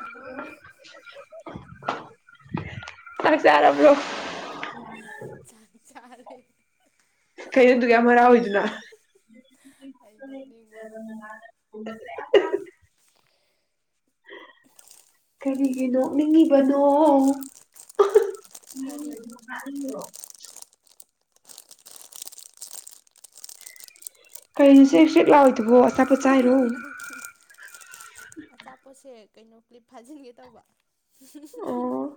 hello ꯑꯁꯔꯕ꯭ꯔꯣ ꯆꯥꯛ ꯆꯥꯔꯦ ꯀꯩꯅꯅꯦ ꯇꯒ ꯃꯔ ꯑꯣꯏꯣꯏꯗꯨꯅ ꯑꯩ ꯅꯣꯛꯅꯤꯡꯕ ꯀꯔꯤꯒꯅꯣ ꯅꯤꯡꯉꯤꯕꯅꯣ ꯎꯝꯣ ꯀꯔꯤ [unintelligible] ꯀꯩꯅꯅꯤ ꯁꯤ ꯁꯤꯛ ꯂꯥꯎꯑꯣꯗꯕꯣ ꯑꯆꯥꯄꯣꯠꯁꯦ ꯀꯩꯅꯣ ꯀ꯭ꯂꯤꯞ ꯐꯥꯖꯤꯟꯒꯦ ꯇꯧꯕ ꯑꯣ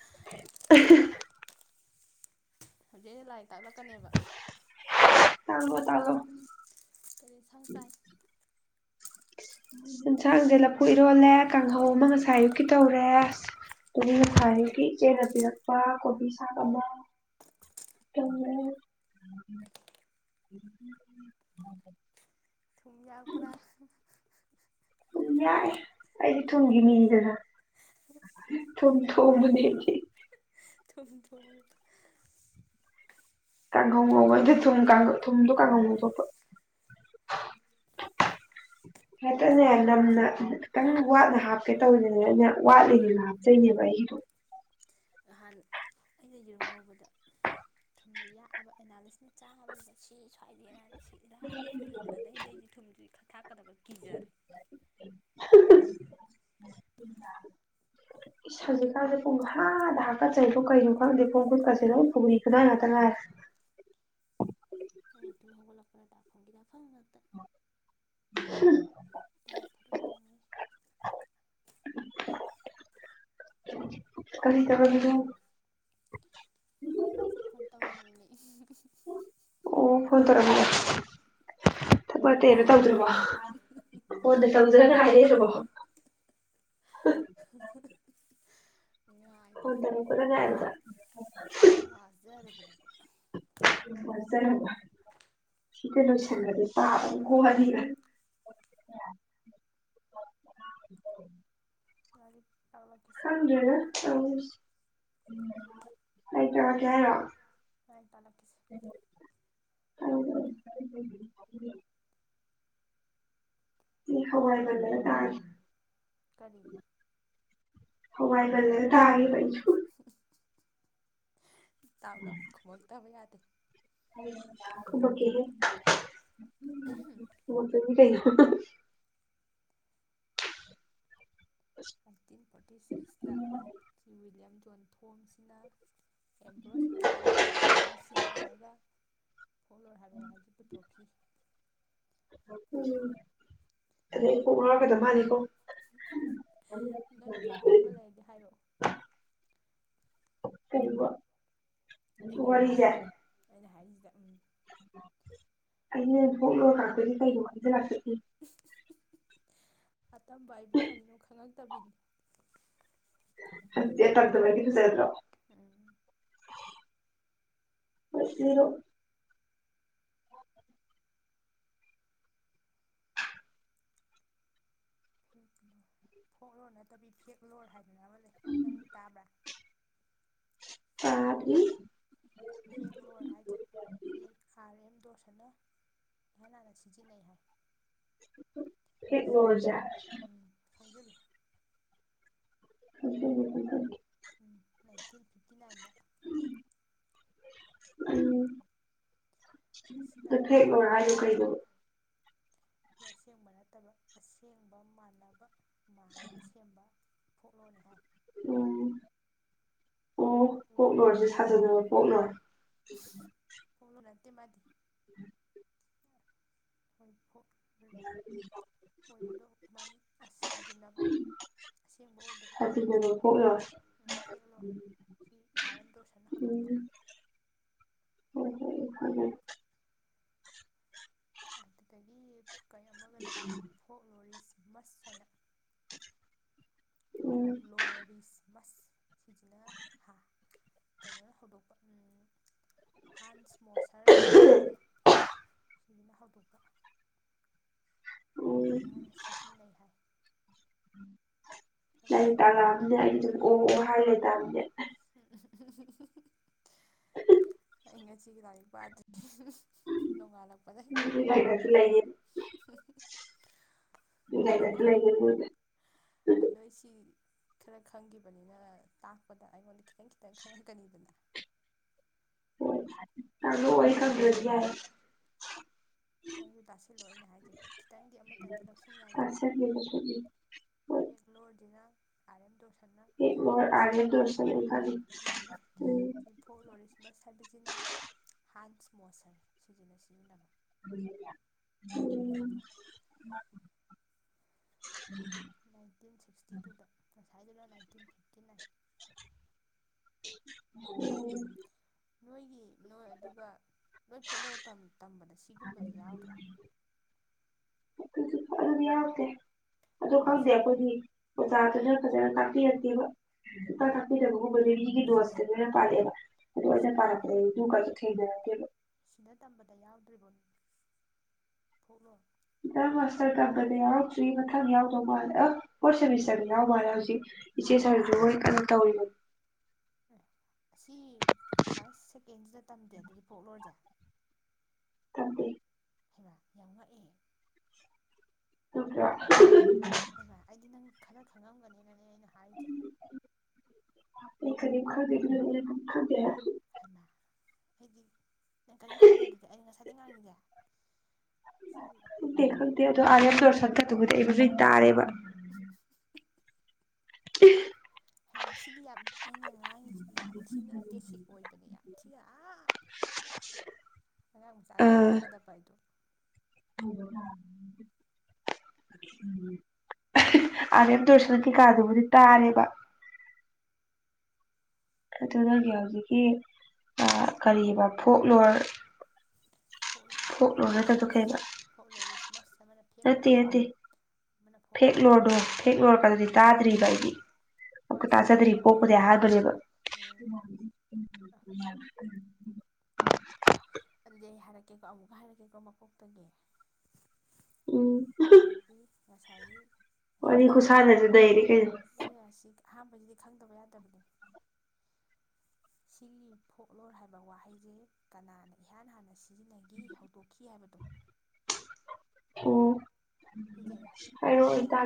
[inaudible] ꯍꯧꯖꯤꯛ ꯑ ꯂꯥꯏꯔꯤꯛ ꯇꯥꯛꯂꯛꯀꯅꯦꯕ ꯇꯥꯡꯒꯣ ꯇꯥꯒꯣ ꯀꯔꯤ ꯊꯪ ꯆꯥꯏ ꯑꯦꯟꯁꯥꯡꯁꯦ ꯂꯐꯨ ꯏꯔꯣꯜꯂꯦ ꯀꯥꯡꯍꯧ ꯑꯃ ꯉꯁꯥꯏ ꯑꯌꯨꯛꯀꯤ ꯇꯧꯔꯦ ꯑꯅꯤ ꯉꯁꯥꯏ ꯑꯌꯨꯛꯀꯤ ꯏꯆꯦꯅ ꯄꯤꯔꯛꯄ ꯀꯣꯕꯤ ꯁꯥꯛ ꯑꯃ ꯇꯧꯦ ꯊꯨꯝ ꯌꯥꯛꯄ꯭ꯔꯥ ꯌꯥꯏ ꯑꯩꯗꯤ ꯊꯨꯝꯒꯤ ꯃꯤꯗꯅ ꯊꯨꯝ ꯊꯣꯡꯕꯅꯦꯗꯤ ꯊꯣꯡ ꯀꯥꯡꯈꯧ ꯉꯧꯕ ꯊꯨꯝꯧ ꯊꯨꯝꯗꯣ ꯀꯥꯡꯈꯧ ꯉꯧꯗꯣꯛꯄ ꯉꯇꯅꯦ ꯅꯝꯅ ꯈꯤꯇꯪ ꯋꯥꯠꯅ ꯍꯥꯞꯀꯦ ꯇꯧꯔꯤꯅꯤꯅꯦ ꯑꯩꯅ ꯋꯥꯠꯂꯤꯅꯤꯅ ꯍꯥꯞꯆꯩꯅꯦꯕ ꯑꯩꯒꯤꯗꯣ ꯅꯍꯥꯟ ꯑꯩꯅ ꯌꯦꯔꯨꯝ ꯀꯧꯕꯗ ꯊꯨꯝꯁ ꯌꯥꯛꯑꯕ ꯑꯦꯅꯥꯂꯤꯁꯅ ꯆꯥꯕꯁꯤꯗ ꯁꯤ ꯁ꯭ꯋꯥꯏꯗꯦꯅ ꯍꯥꯏꯔ ꯁꯤꯍꯥꯛ ꯌꯥꯏꯌꯦꯅ ꯑꯗꯩꯗꯩꯗꯤ ꯊꯨꯝꯁꯤ ꯊꯥꯛꯀꯗꯕ ꯀꯤꯖꯔꯦ ꯏꯁ ꯍꯧꯖꯤꯛꯀꯥꯟꯁꯦ ꯑꯩꯅ ꯄꯨꯡꯍꯥꯗ ꯍꯥꯞꯀꯠꯆꯩꯗꯣ ꯀꯩꯅꯣ ꯈꯪꯗꯦ ꯄꯣꯡ ꯈꯨꯠꯀꯁꯤ ꯂꯣ ꯄꯨꯔꯤ ꯈꯨꯗꯥꯥꯏ ꯉꯥꯛꯇ ꯉꯥꯏꯔꯦ ꯑꯦ ꯇꯨꯝꯣꯒꯣꯛꯂꯥꯛ ꯐꯣꯡꯒꯗ ꯇꯥ ꯐꯔꯛ ꯇꯨꯡꯉꯥꯏ [inaudible] ꯀꯔꯤ ꯇꯔꯕꯤꯗ ꯀꯟ ꯇꯧꯔꯃꯤ ꯂꯩ ꯑꯣ ꯐꯣꯟ ꯇꯧꯔ ꯊ ꯇꯧꯗ꯭ꯔꯕꯣ ꯃꯣꯟꯗ ꯇꯧꯗ꯭ꯔꯒ ꯍꯥꯏꯔꯕꯣ ꯎꯝ ꯐ ꯍ ꯇꯅ ꯄꯨꯔ ꯉꯔ ꯋꯥꯖꯔꯕꯅꯦꯕ ꯂ ꯄ ꯍꯥꯏꯗꯤ ꯂ ꯍꯪꯖꯅ ꯎꯝ ꯑꯩꯇꯔ ꯀꯦꯔꯣ ꯂꯥꯏꯔꯤꯛ ꯇꯥꯛꯂꯛꯈꯤꯁꯤ ꯎꯝ ꯍꯋꯥꯏ ꯂꯩꯦ ꯇꯥꯏ ꯀꯔꯤ ꯍ ꯋꯥꯏꯒꯂꯦ ꯊꯥꯏꯥꯏꯁꯨ ꯇꯥꯎ ꯂꯃꯣ ꯇꯕ ꯌꯥꯗ ꯀ ꯇꯤꯟ ꯐꯣꯔꯇꯤ ꯁꯤꯛꯁꯇ꯭ꯔꯤꯋꯤꯌꯝ ꯊꯣꯡꯁꯤꯅ ꯑꯕ꯭ꯔꯣꯁ ꯃꯇꯟ ꯍꯥꯏꯕ ꯃꯃꯤꯡꯁꯤ ꯁꯤꯖꯤꯟꯅꯔꯒ ꯐꯣꯂ ꯍꯥꯏꯕ ꯍꯥꯏꯖꯤꯕꯨꯊꯣꯛꯈꯤ ꯎꯝ ꯑꯗꯩ ꯑꯩ ꯀꯣꯛ ꯂꯥꯎꯔꯒꯗꯕ ꯃꯥꯅꯤꯀꯣ ꯅꯪ ꯍꯥꯞꯅꯤꯡꯕ ꯂꯩꯔꯗꯤ ꯍꯥꯏꯔꯛꯑꯣ ꯀꯕ ꯑꯩꯅ ꯍꯥꯏꯔꯤꯁꯤꯗ ꯑꯩꯅ ꯍꯥꯏꯔꯤꯁꯤ ꯗ ꯎꯝ ꯑꯅꯦ ꯊ ꯂ ꯀꯗꯤ ꯀꯥꯏ ꯏ ꯂꯥꯛꯦ ꯎꯝ ꯑꯇꯝꯕꯥꯏꯕꯨ ꯀꯩꯅꯣ ꯈꯪꯉꯛꯇꯕꯤꯅꯤ ꯇꯥꯛꯗꯕꯗꯤ ꯐꯖꯗ꯭ꯔꯣ [inaudible] [unintelligible] ꯐꯣꯛꯂꯣ ꯅꯠꯇꯕꯤ ꯐꯦꯛꯂꯣ ꯍꯥꯏꯕ ꯑꯃ ꯂꯩ ꯅꯪ ꯇꯥꯕ꯭ꯔ ꯇꯗ꯭ꯔꯤ ꯍꯦꯛꯂꯣꯔ ꯍꯥꯏꯖꯦ ꯍꯤ ꯁꯥꯔ ꯑꯦꯝꯗꯣ ꯏꯍꯥꯟ ꯍꯥꯟꯅ ꯁꯤꯖꯤꯟꯅꯩ ꯍꯥꯏ ꯐꯦꯠꯂꯣꯔꯖꯦ ꯈꯪꯖꯜꯂꯨ [unintelligible] ꯎꯝ ꯅꯥꯏꯟꯇꯤꯟ ꯐꯤꯊꯤ ꯅꯥꯏꯟꯗ ꯎꯝ ꯑꯁꯤ ꯑꯗꯨ ꯂꯩꯔꯦ ꯐꯦꯛꯂꯣꯔ ꯍꯥꯏꯁꯦ ꯀꯩꯅꯣꯕ ꯑꯁꯦꯡꯕ ꯅꯠꯇꯕ ꯑꯁꯦꯡꯕ ꯃꯥꯟꯅꯕ ꯃꯥꯅꯕ ꯁꯦꯝꯕ ꯐꯣꯛꯂꯣꯔꯅꯦ ꯍꯥꯏ ꯎꯝ ꯑꯣ ꯐꯣꯛꯂꯣꯔ ꯐꯣꯛꯂꯣꯔꯁꯦ ꯅꯠꯇꯕ ꯁꯥꯖꯕ ꯐꯣꯛꯂꯣꯔ ꯃꯗꯤ ꯍꯣꯏ ꯑꯣꯏꯕꯗꯣ ꯃꯥꯗꯤ ꯑꯁ ꯁꯥꯖꯤꯟꯅꯕ ꯑꯁꯦꯡꯕ ꯑꯣꯏꯗꯕ ꯁꯥꯖꯤꯟꯅꯕ ꯄꯣꯛꯂꯣꯏ ꯐꯦꯛꯂꯣꯔ ꯁꯤ ꯑꯥꯔ ꯑꯦꯝ ꯗꯣꯔꯁꯟꯅ ꯍꯧꯗꯣꯛꯄ ꯎꯝ ꯍꯣꯏ [unintelligible] ꯑꯗꯨꯗꯒꯤ ꯀꯩ ꯑꯃꯒ ꯂꯩ ꯐꯣꯛꯂꯣꯔꯤꯁ ꯃꯁ ꯍꯥꯏꯅ ꯎꯝ ꯐꯣꯛꯂꯣꯔꯤꯁ ꯃꯁ ꯁꯤꯍꯤꯅ ꯍꯥ ꯀꯩꯅꯣꯅ ꯍꯧꯗꯣꯛꯄ ꯍꯟꯁ ꯃꯣꯁꯔ ꯍꯥꯏꯗꯅ ꯑꯃ ꯂꯩ ꯁꯨꯕꯤꯅ ꯍꯧꯗꯣꯛꯄ ꯎꯝ ꯃꯥꯅꯁꯤꯖꯤꯟꯅꯩ ꯂꯩꯍꯥꯏ ꯎꯝ ꯂꯩ ꯇꯥꯔꯥꯑꯝꯅꯦ ꯑꯩꯁꯨ ꯑ ꯑꯣ ꯑꯣ ꯍꯥꯏꯔꯦ ꯇꯥꯕꯅꯦ [unintelligible] ꯑꯩ ꯉꯁꯤꯒꯤ ꯂꯥꯏꯔꯤꯛ ꯄꯥꯗ꯭ꯔꯤ ꯅꯣꯡꯉꯥꯜꯂꯛꯄꯗ ꯂꯥꯏꯔꯤꯛꯁꯨ ꯂꯩꯌꯦ ꯂꯥꯏꯔꯤꯛꯁꯨ ꯂꯩꯌꯦ ꯃꯣꯏꯅ ꯑꯗ ꯁꯤ ꯈꯔ ꯈꯪꯈꯤꯕꯅꯤꯅ ꯇꯥꯛꯄꯗ ꯑꯩꯉꯣꯟꯗ ꯈꯤꯇꯪ ꯈꯤꯇꯪ ꯈꯪꯉꯛꯀꯅꯤꯗꯅ ꯍ ꯆꯣ ꯋꯥ ꯁꯌꯥ ꯅꯪꯁꯨ ꯇꯥꯁꯤꯜꯂꯣꯩꯅ ꯍꯥꯏꯁ ꯈꯤꯇꯪꯗꯤ ꯑꯃꯇꯪꯗꯤ ꯂꯧꯁꯤꯟ ꯌꯥꯏꯗꯅ ꯇꯥꯛꯁꯟꯒꯦꯕ ꯁꯨꯝ ꯍꯣꯏ ꯐꯦꯡꯒꯂꯣꯗꯤꯅ ꯑꯔꯦꯝꯝ ꯗꯣꯁꯥ ꯐꯅ ꯍꯦꯛ ꯏꯍꯥꯟ ꯂꯣꯏꯔ ꯍꯥꯟꯅ ꯑꯥꯔꯂꯦꯟ ꯁꯤꯖꯤꯟꯅꯕ ꯇꯧꯔꯁꯅ ꯑꯩ ꯈꯜꯂꯤ ꯎ ꯎꯝ ꯆꯐꯣꯛ ꯂꯣꯔꯤꯁꯃꯁ ꯍꯥꯏꯕꯁꯤꯅ ꯍꯥꯟ ꯃꯣꯁꯔ ꯁꯤꯖꯤꯟꯅ ꯁꯤꯖꯤꯟꯅꯕ ꯎꯝ ꯅꯥꯏꯟꯇꯤꯟ ꯁꯤꯛꯁꯇꯤ ꯇꯨꯗ ꯥꯏꯂ ꯐꯇꯟ ꯑꯣ ꯅꯣꯏꯒꯤ ꯅꯣꯏ ꯑꯗꯨꯒ ꯂꯣꯏ ꯐꯣꯛꯂꯨꯔ ꯇꯝꯃꯦ ꯇꯝꯕꯗ ꯁꯤꯒꯨꯝꯕꯁ ꯌꯥꯎꯗ꯭ꯔꯣ ꯐꯔꯗꯤ ꯌꯥꯦ ꯑꯗꯨ ꯀꯩꯅꯣ ꯈꯪꯗꯦ ꯁꯤ ꯑꯩꯈꯣꯏꯗꯤ ꯑꯣꯖꯥ ꯑꯗꯨꯅ ꯐꯖꯅ ꯇꯥꯛꯄꯤꯔꯛꯇꯦꯕ ꯇ ꯇꯥꯛꯄꯤꯗꯕꯒꯨꯝꯕꯗꯨ ꯃꯤꯒꯤ ꯗꯣꯁꯇ ꯂꯣꯏꯅ ꯄꯥꯜꯂꯦꯕ ꯑꯗꯨ ꯇꯥꯔꯛ꯭ꯔꯦ ꯊꯗꯣ ꯁꯤꯅ ꯇꯝꯕꯗ ꯌꯥꯎꯗ꯭ꯔꯤꯕ ꯐꯣꯛꯂꯣ ꯏ ꯃꯥꯁꯇꯔ ꯇꯝꯕꯅꯦ ꯌꯥꯎꯛꯇ꯭ꯔꯤ ꯃꯊꯪ ꯌꯥꯎꯗꯧ ꯃꯥꯜꯂꯦ ꯑ ꯐꯣꯔꯠ ꯁꯦꯃꯤꯁꯇꯔꯗ ꯌꯥꯎ ꯃꯥꯜꯂꯦ ꯍꯧꯖꯤꯛ ꯏꯆꯦ ꯁꯥꯔꯁꯨ ꯃꯣꯏ ꯀꯩꯅꯣ ꯇꯧꯔꯤꯕꯅꯤ ꯑꯁꯤ ꯐꯥꯔꯁ ꯁꯦꯀꯦꯟꯁꯤꯗ ꯇꯝꯗꯦ ꯑꯗꯨꯗꯤ ꯄꯣꯛꯂꯁꯦ ꯑꯗꯨꯗ ꯍꯥꯏꯕ ꯌꯥꯝ ꯋꯥꯠꯑꯦ ꯑꯣ ꯍꯥꯏꯕ ꯑꯩꯗꯤ ꯅꯪ ꯈꯔ ꯈꯪꯂꯝꯝꯒꯅꯦ ꯑꯩꯅ ꯍꯥꯏꯖꯩ ꯑꯩ ꯀꯅꯤ ꯈꯗꯤꯅ ꯈꯗ ꯍꯥꯏꯃ ꯑꯩꯗꯤ ꯅꯪ ꯀꯔꯤꯝ ꯈꯪꯗꯗꯗꯤ ꯑꯩꯅ ꯉꯁꯥꯏꯗꯒꯤꯩ ꯉꯥꯡꯉꯁꯦ ꯣ ꯑꯗꯨ ꯑꯔ ꯁ ꯇꯥꯔꯦꯕ [unintelligible] ꯍꯩꯚ ꯁꯤꯗꯤ ꯌꯥꯝ ꯑꯩꯅ ꯉꯥꯡꯁꯤ ꯌꯥꯝ ꯊꯤꯅ ꯕꯦꯁꯤꯛ ꯑꯣꯏꯕꯅꯦ ꯌꯥꯝ ꯊꯤꯅ ꯑꯉꯥꯡ ꯃꯆꯥꯅꯁꯨ ꯑ ꯈꯪꯒꯗꯕ ꯍꯥꯏꯗꯣ ꯑꯥꯔ ꯑꯦꯝ ꯗꯔꯁꯟ ꯀꯩꯀꯥꯗꯨꯕꯨꯗꯤ ꯇꯥꯔꯦꯕ ꯑꯗꯨꯒꯤ ꯍꯧꯖꯤꯛꯀꯤ ꯀꯔꯤꯕ ꯐꯣꯛ ꯂꯣꯔ ꯐꯣꯛ ꯐꯣꯛꯂꯣꯔꯤꯁꯃꯁ ꯐꯣꯛꯂꯣꯅꯠꯇꯊꯣꯛꯈꯩꯕ ꯐꯣꯛꯂꯣꯔꯤꯁꯃꯁ ꯑꯃꯅ ꯅꯠꯇꯦ ꯐꯦꯛꯂꯣꯔ ꯅꯠꯇꯦ ꯑꯃꯅ ꯐꯣꯛꯂꯣꯔ ꯐꯦꯛꯂꯣꯗꯣ ꯐꯦꯛ ꯎꯝ ꯂꯣꯏꯨꯔꯀꯥꯟꯗꯗꯤ ꯇꯥꯗ꯭ꯔꯤꯕ ꯑꯩꯗꯤ ꯍꯣꯏ ꯑꯃꯨꯀ ꯁꯤꯕꯨꯗꯤ ꯇꯥꯖꯗ꯭ꯔꯤ ꯑꯩꯈꯣꯏ ꯄꯣꯛꯄꯗꯤ ꯍꯥꯏꯕꯅꯦꯕ ꯎꯝ ꯀꯦꯀꯣ ꯑꯃꯨꯛ ꯍꯥꯏꯔꯒꯦꯀꯣ ꯃꯀꯣꯛꯇꯒꯤ ꯎꯝ ꯉꯁꯥꯏꯒꯤ ꯉꯁꯥꯏꯒꯤ ꯑꯁꯤꯗꯤ ꯋꯥꯔꯤ ꯈꯨꯁꯥꯟꯅꯁꯨ ꯅꯩꯔꯦ ꯀꯩꯅꯣ ꯈꯪꯁꯦ ꯑꯁꯤ ꯑꯍꯥꯟꯕꯁꯤꯗꯤ ꯈꯪꯗꯕ ꯌꯥꯗꯕꯅꯤ ꯁꯤꯒꯤ ꯐꯣꯛꯂꯣ ꯍꯥꯏꯕ ꯋꯥꯍꯩꯁꯦ ꯀꯅꯥꯅ ꯏꯍꯥꯟ ꯍꯥꯟꯅ ꯁꯤꯖꯤꯟꯅꯈꯤ ꯍꯧꯗꯣꯛꯈꯤ ꯍꯥꯏꯕꯗꯣ ꯑꯣꯝ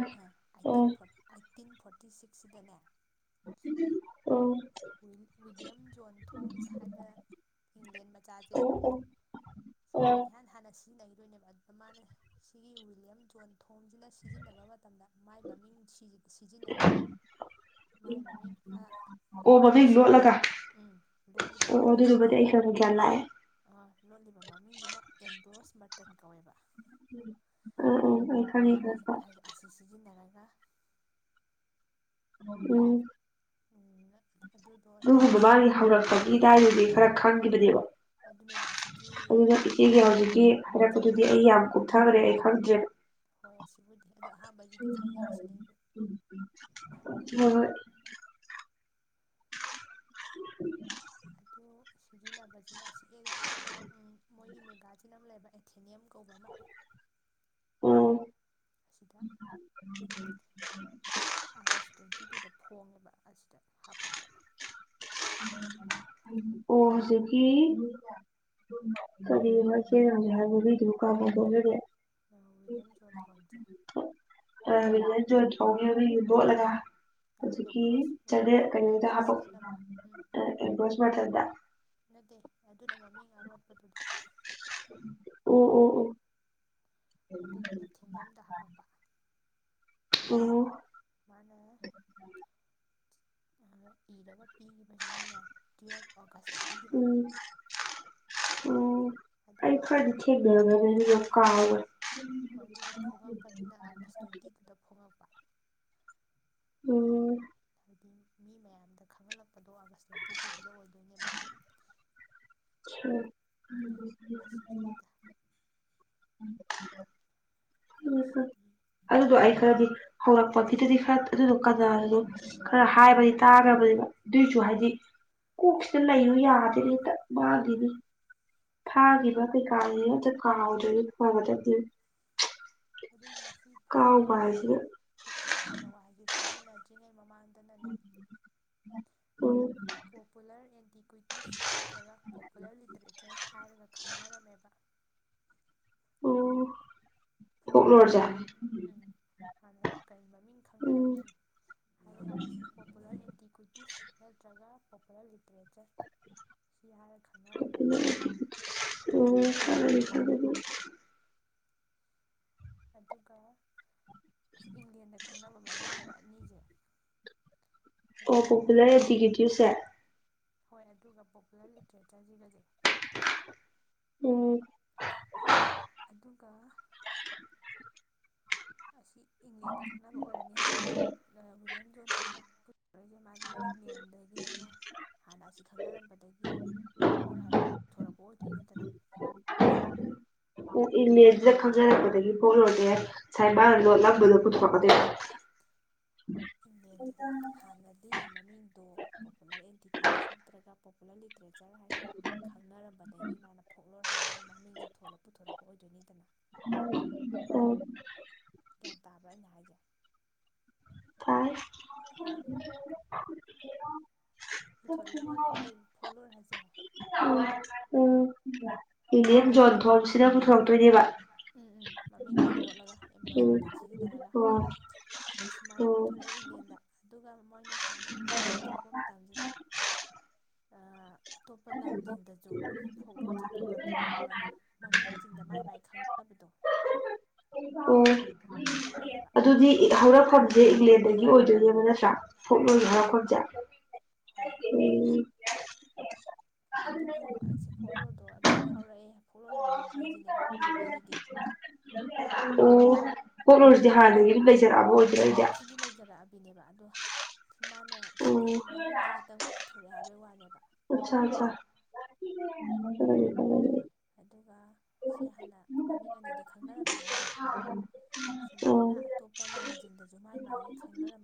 ꯐ ꯎꯝ ꯑꯩꯠꯇꯤꯟ ꯐꯣꯔꯇꯤ ꯁꯤꯛꯁꯁꯤꯗꯅꯦ ꯑꯣ ꯋꯤꯂꯤꯌꯝ ꯖꯣꯟ ꯊꯣꯝꯁ ꯍꯥꯏꯕ ꯏꯪꯂꯦꯟ ꯃꯆꯥꯁ ꯑꯣ ꯑꯣ ꯁꯤꯅ ꯑꯣ ꯏꯍꯥꯟ ꯍꯥꯟꯅ ꯁꯤꯖꯤꯟꯅꯩ ꯑꯗꯨꯣꯏꯅꯦꯕ ꯑꯗꯨꯗ ꯃꯥꯅ ꯁꯤꯒꯤ ꯋꯤꯂꯤꯌꯝ ꯖꯣꯟ ꯊꯣꯡꯁꯤꯅ ꯁꯤꯖꯤꯟꯅꯕ ꯃꯇꯝꯗ ꯃꯥꯏ ꯃꯃꯤꯡ ꯁꯤꯖꯤꯟꯅꯗꯦꯕ ꯃꯥꯏ ꯃꯃꯤꯡ ꯑꯣ ꯂꯣꯠꯂꯒ ꯃꯃꯤꯡ ꯁꯤꯖꯤꯟꯅꯩꯕ ꯎꯝ ꯂꯣꯠꯂꯤꯕ ꯑꯣ ꯑꯣ ꯃꯃꯤꯡꯁꯤꯅ ꯑꯗꯨꯗꯨꯃꯗꯤ ꯑꯩ ꯈꯔ ꯈꯔ ꯒ꯭ꯌꯥꯟ ꯂꯥꯛꯑꯦ ꯑ ꯂꯣꯠꯂꯤꯕ ꯃꯃꯤꯡꯁꯤꯅ ꯑꯦꯝꯕ꯭ꯔꯣꯁ ꯈꯤꯇꯪ ꯀꯧꯋꯦꯕ ꯑꯣ ꯑꯣ ꯑꯁꯤ ꯁꯤꯖꯤꯟꯅꯔꯒ ꯎꯝ ꯑꯗꯨꯗꯣ ꯑꯁꯤ ꯑꯗꯨꯒꯨꯝꯕ ꯃꯥꯒꯤ ꯁꯤꯖꯤꯟꯅꯔꯒ ꯍꯧꯔꯛꯄꯒꯤ ꯏꯗꯥꯏꯗꯨꯗꯤ ꯎꯝ ꯈꯔ ꯎꯝ ꯈꯪꯈꯤꯕꯅꯦꯕ ꯑꯗꯨꯅꯦꯕ ꯑꯁꯤꯗꯤ ꯑꯗꯨꯅ ꯑꯩꯅ ꯃꯤ ꯏꯆꯦꯒꯤ ꯃꯤ ꯍꯧꯖꯤꯛꯀꯤ ꯂꯣꯏ ꯍꯥꯏꯔꯛꯄꯗꯨꯗꯤ ꯈꯪꯉꯦ ꯑꯩ ꯍꯥꯏꯁꯦ ꯌꯥꯝ ꯀꯨꯞꯊꯈ꯭ꯔꯦ ꯑꯩ ꯈꯪꯗ꯭ꯔꯦꯕ ꯍꯣꯏ ꯑꯁꯤꯕꯨꯗꯤ ꯑꯗꯣ ꯑꯍꯥꯟꯕꯩꯁꯤꯗꯤ ꯈꯪ ꯌꯥꯏ ꯁꯤꯅꯦ ꯑꯩꯗꯤ ꯍ [unintelligible] ꯁꯤ ꯅꯕꯁꯤꯅ ꯑꯁꯤ ꯎꯝ ꯃꯣꯏꯒꯤ ꯃꯦꯒꯥꯁꯤꯅꯝ ꯂꯩꯕ ꯑꯦꯊꯦꯅꯤꯌꯝ ꯀꯧꯕ ꯑꯃ ꯑꯣ ꯑꯁꯤꯗ ꯎ ꯑꯥꯒꯁ ꯇ꯭ꯋꯦꯟꯇꯤ ꯇꯨꯗ ꯐꯣꯡꯉꯦꯕ ꯑꯁꯤꯗ ꯍꯥꯄꯛꯄ ꯑꯣ ꯍꯧꯖꯤꯛꯀꯤ ꯀꯔꯤ ꯑꯃ ꯆꯦꯒꯦ ꯍꯥꯏꯕꯒꯤꯗꯨ ꯀꯔꯦ ꯑ ꯇꯧꯔ ꯋꯤꯂꯤꯌꯝ ꯖꯣꯟ ꯊꯣꯝꯁꯦ ꯗꯣꯠꯂꯒ ꯑꯗꯨꯗꯒꯤ ꯑꯦꯝꯕ꯭ꯔꯣꯁ ꯆꯗ ꯑꯦꯝꯕ꯭ꯔꯣꯁ ꯀꯩꯅꯣꯗ ꯃꯇꯝꯁꯦ ꯍꯥꯄ ꯁꯤꯖꯤꯟꯅꯕ ꯎꯝ ꯣꯁꯃꯗ ꯑꯔ [inaudible] ꯑꯣ ꯑꯣ ꯑꯣ ꯑꯗꯨꯒ ꯑꯦꯊꯤꯅꯤꯌꯝꯗ ꯍꯥꯄꯛꯄ ꯑꯣ ꯑꯣ ꯃꯥꯅꯦ ꯏꯔꯒ ꯄꯤꯈꯤꯕꯁꯤꯅꯅꯦꯦ ꯇꯨꯌꯦꯜꯐ ꯑꯣꯒꯁꯇ ꯄꯤꯈꯤꯕ ꯎꯝ ꯑꯣ ꯑꯩ ꯑꯗꯨꯒ ꯑ ꯈꯔꯗꯤ ꯍꯣꯏ ꯊꯦꯡꯅꯔꯝꯃꯦ ꯑꯗꯨꯒ ꯀꯥꯎꯒ꯭ꯔꯦ ꯑꯗꯨꯒ ꯐꯣꯡꯉꯛꯄꯁꯤꯅ ꯑꯥꯒꯁ ꯇ꯭ꯋꯦꯟꯇꯤ ꯇꯨꯗ ꯐꯣꯡꯉꯛꯄ ꯎꯝ ꯍꯥꯏꯗꯤ ꯃꯤ ꯃꯌꯥꯝꯗ ꯈꯪꯍꯜꯂꯛꯄꯗꯣ ꯑꯥꯒꯁ ꯇ꯭ꯋꯦꯟꯇꯤ ꯇꯨꯁꯤꯗ ꯑꯣꯏꯗꯣꯏꯅꯦꯕ ꯑꯁꯕꯤꯗ ꯦ ꯎꯝ ꯎ ꯑꯁꯤꯗꯤ ꯑꯗꯨꯗꯣ ꯑꯩ ꯈꯔꯗꯤ ꯍꯧꯔꯛ ꯣꯐꯠꯇꯗꯤ ꯈꯔ ꯑꯗꯨ ꯀꯝ ꯈꯔ ꯍꯥꯏꯕꯗꯤ ꯇꯥꯈ꯭ꯔꯕꯅꯤ ꯁꯨ ꯍꯣꯏ ꯍꯥꯏꯗꯤ ꯀ ꯂꯩꯔꯨ ꯌꯥꯗꯦ ꯃꯥꯒꯤꯗꯤ ꯐꯥꯈꯤꯕ ꯀꯩꯀꯥꯁꯤ ꯑ ꯀꯥꯎꯗꯣꯏꯔꯤ ꯍꯣꯏꯕ ꯆꯗꯨ ꯑꯗꯨꯒ ꯁꯤ ꯐꯣꯛ ꯂꯣꯟꯁꯦ ꯍꯥꯏꯁꯤꯅ ꯐꯣꯛ ꯂꯣꯟ ꯍꯥꯏꯕ ꯋꯥꯒꯤꯁ ꯂꯥꯅꯦ ꯃꯃꯥꯡꯗꯅꯅꯦ ꯎꯝ ꯄꯣꯄꯨꯂꯔ ꯑꯦꯟꯇꯤꯀ꯭ꯋꯤꯇꯤꯁ ꯅꯠꯇ꯭ꯔꯒ ꯄꯣꯄꯨꯂꯔ ꯂꯤꯇꯔꯦꯆꯔ ꯍꯥꯏꯔꯒ ꯈꯪꯅꯔꯝꯃꯦꯕ ꯑꯣ ꯎꯝ ꯍꯥꯟꯅ ꯀꯔꯤ ꯃꯃꯤꯡ ꯎꯝ ꯈꯪꯅꯔꯝꯃꯤ ꯍꯥꯏꯕꯀꯥꯟꯁꯤ ꯄꯣꯄꯨꯂꯔ ꯏꯟꯇꯤꯀ꯭ꯋꯤꯇꯤꯁ ꯅꯠꯇ꯭ꯔꯒ ꯀꯄ ꯂ ꯂꯤꯇꯔꯦꯆꯔ ꯁꯤ ꯍꯥꯏꯔ ꯈꯪꯅꯔꯝꯃꯦꯕ ꯎ ꯑꯗꯨꯒ ꯑꯁꯤ ꯏꯪꯂꯦꯟꯗ ꯈꯪꯅꯕ ꯃꯃꯤꯡꯅꯦꯕ ꯑꯅꯤꯁꯦ ꯑꯣ ꯍꯥꯏꯕꯗꯤ ꯄꯣꯄꯨꯂꯔ ꯑꯦꯗꯤꯤꯒꯤꯦꯇ꯭ꯌꯨꯁꯦ ꯍꯣꯏ ꯑꯗꯨꯒ ꯄꯣꯄꯨꯂꯔ ꯂꯤꯇꯔꯦꯆꯔꯁꯤꯒꯗꯤ ꯎꯝ ꯑꯗꯨꯒ ꯑꯁꯤꯁꯤ ꯏꯪꯂꯦꯟꯗ ꯈꯪꯅꯕ ꯑꯣꯏꯔꯅꯤ ꯍꯥꯏꯕꯗꯨ ꯌꯣꯟ ꯊꯣꯂꯛꯄ ꯑꯩꯁꯦ ꯃꯥꯁꯦ ꯏꯪꯂꯪꯂꯦꯟꯗꯒꯤꯅꯤꯅ ꯍꯥꯟꯅ ꯑꯁꯤ ꯈꯪꯅꯔꯝꯕꯗꯒꯤ ꯍꯣꯂꯣꯔꯦ ꯍꯥꯏꯕꯁꯦ ꯄꯨꯊꯣꯔꯛꯄ ꯑꯣꯏꯗꯣꯏꯅꯤꯠꯇꯅ ꯎ ꯏꯃꯦꯜꯁꯤꯗ ꯈꯪꯖꯔꯛꯄꯗꯒꯤ ꯐꯣꯂꯨꯔꯗꯤꯦ ꯁꯥꯏꯃ ꯂꯣꯂꯛꯄꯗ ꯄꯨꯊꯣꯛꯀꯗꯣꯏ ꯍꯣꯏ ꯏꯟꯪꯂꯦꯟꯗꯨꯗ ꯍꯥꯟꯅꯗꯤ ꯃꯃꯤꯡꯗꯣ ꯄꯣꯄꯨꯂꯔ ꯑꯦꯟꯇꯤꯀ꯭ꯋꯤꯇꯤꯁ ꯅꯠꯇ꯭ꯔꯒ ꯄꯣꯄꯨꯂꯔ ꯂꯤꯇ꯭ꯔꯦꯆꯔ ꯍꯥꯏꯅ ꯈꯪꯅꯔꯝꯕꯗꯒꯤ ꯃꯥꯅ ꯐꯣꯛꯂꯣ ꯍꯥꯏꯔꯒ ꯃꯃꯤꯡꯁꯦ ꯊꯣꯜꯂ ꯄꯨꯊꯣꯔꯛꯄ ꯑꯣꯏꯗꯣꯏꯅꯤꯗꯅ [inaudible] ꯒ꯭ꯌꯥꯟ ꯇꯥꯕ꯭ꯔꯥ ꯑꯩꯅ ꯍꯥꯏꯁꯦ ꯊꯥꯎꯋꯦ ꯊꯣꯂꯦ ꯀꯗꯤ ꯐꯨꯂꯣꯏ ꯍꯥꯏꯖꯦ ꯎꯝ ꯎꯝ ꯏꯅꯦ ꯑꯗꯨꯗꯩ ꯌꯣꯟꯊꯣꯟꯁꯤꯗ ꯄꯨꯊꯣꯔꯛꯇꯣꯏꯅꯦꯕ ꯎꯝ ꯎꯝ ꯃꯃꯤꯡꯗꯣ ꯂꯣꯠꯂꯒ ꯑꯦꯝꯕ꯭ꯔꯣꯁ ꯎꯝ ꯃꯇꯟ ꯁꯤꯖꯤꯟꯅꯔꯒ ꯑꯣ ꯑꯁꯨꯃꯥꯏꯅ ꯑꯣ ꯄꯨꯊꯣꯔꯛꯑꯦ ꯏꯪꯂꯦꯟꯗ ꯑꯗꯨꯒ ꯃꯣꯏꯅ ꯁꯨꯃꯥꯏꯅ ꯏꯪꯂꯦꯟꯗ ꯄꯨꯊꯣꯔꯛꯄ ꯃꯇꯝꯁꯤꯗ ꯑꯇꯣꯞꯄ ꯂꯝꯁꯤꯡꯗꯁꯨ ꯐꯣꯛꯂꯨꯔꯁꯦ ꯇꯣꯉꯥꯟ ꯇꯣꯉꯥꯟꯕ ꯃꯃꯤꯡꯁꯤꯡꯗ ꯃꯥꯏ ꯃꯥꯏ ꯈꯪꯅꯕꯗꯣ ꯑꯣ ꯑꯗꯨ ꯑꯣꯏ ꯍꯥꯏꯕꯥ ꯑꯗꯨꯗꯤ ꯍꯧꯔꯛꯐꯝꯁꯦ ꯏꯪꯂꯦꯟꯗꯅꯤ ꯑꯣꯏꯗꯣꯏꯅꯦꯕ ꯅꯠꯇ꯭ꯔꯥ ꯎꯝ ꯐꯨꯂꯣꯏ ꯎꯝ ꯔ ꯈꯣꯏꯖꯦ ꯍꯣꯏ ꯎꯝ ꯑꯗꯨꯕꯨ ꯍꯥꯏꯁꯦ ꯐꯣꯂꯣꯔꯗꯣ ꯑꯗꯨꯗꯩ ꯍꯧꯔꯛꯑꯦ ꯐꯣꯂꯣꯔ ꯍꯥꯏꯕ ꯋꯥꯍꯩ [unintelligible] ꯎꯝ ꯄꯣꯠꯂꯨꯔꯁꯤꯗꯤ ꯍꯥꯟꯅꯗꯒꯤ ꯃꯩ ꯆꯠꯂꯛꯑꯕ ꯑꯣꯏꯗꯔ꯭ꯦ ꯑꯩꯗꯤ ꯕꯤꯅꯦꯕ ꯑꯗꯣ ꯃꯥꯅ ꯑꯣ ꯁꯤꯗꯤ ꯃꯃꯤꯡꯁꯤ ꯈꯇꯪ ꯄꯨꯊꯣꯔꯛꯑꯦ ꯍꯥꯏꯕꯩ ꯋꯥꯅꯦꯕ ꯑꯆꯥ ꯑꯆꯥ ꯑꯗꯨꯒ ꯁꯤ ꯍꯥꯟꯅ ꯃꯃꯤꯡ ꯑꯅꯤꯗ ꯈꯪꯅꯔꯝꯃꯦ ꯍꯥꯏ ꯍꯥꯏꯗ ꯑꯣ ꯁꯨꯃꯥꯏꯅ ꯑꯇꯣꯞꯄ ꯂꯝꯖꯤꯡꯗꯁꯨ ꯃꯥꯒꯤ ꯃꯥꯒꯤ ꯈꯪꯅꯔꯝ